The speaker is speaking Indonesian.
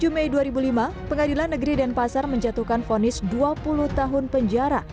dua puluh mei dua ribu lima pengadilan negeri denpasar menjatuhkan fonis dua puluh tahun penjara